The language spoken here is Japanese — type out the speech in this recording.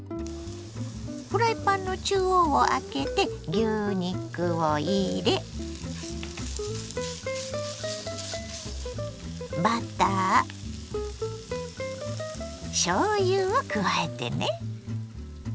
フライパンの中央をあけて牛肉を入れバターしょうゆを加えてね。